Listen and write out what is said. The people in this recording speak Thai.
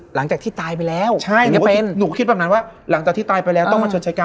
หลังจากที่ตายไปแล้วใช่